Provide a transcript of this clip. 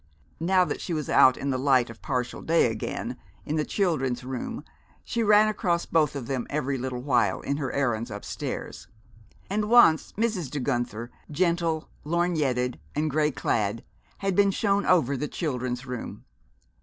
Now that she was out in the light of partial day again, in the Children's Room, she ran across both of them every little while in her errands upstairs; and once Mrs. De Guenther, gentle, lorgnetted and gray clad, had been shown over the Children's Room.